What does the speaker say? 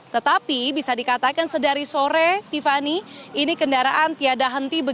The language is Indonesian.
tetapi bisa dikatakan sedari sore tiffany ini kendaraan tiada henti